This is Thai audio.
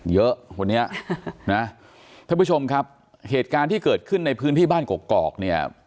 เยอะคนนี้นะท่านผู้ชมครับเหตุการณ์ที่เกิดขึ้นในพื้นที่บ้านกอกเนี่ย